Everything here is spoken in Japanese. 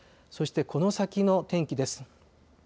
そしてこの先の天気です。